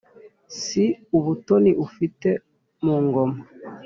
si ubutoni ufite mu ngoma